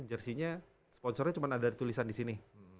jersey nya sponsor nya cuma ada tulisan di sini